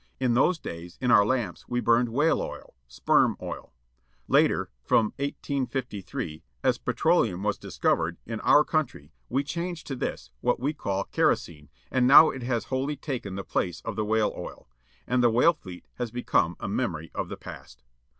In those days, in our lamps we burned whale oil â sperm oil. Later, from 1853, as petroleum was dis covered, in our country, we changed to this, what we call kerosene, and now it has wholly taken the place of the whale oil. And the whale fleet has become a memory of the past.